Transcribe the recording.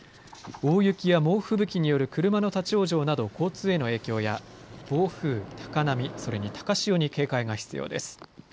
大雪や猛吹雪による車の立往生など交通への影響や暴風、高波、それに高潮に警戒が必要です。